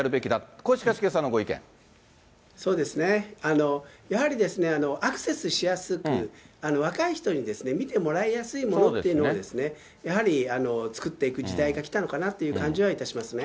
これ、そうですね、やはりですね、アクセスしやすく、若い人にも見てもらいやすいものというのを、やはり作っていく時代がきたのかなという感じはいたしますね。